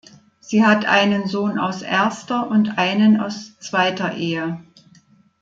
Sie hat einen Sohn aus erster und einen aus zweiter Ehe.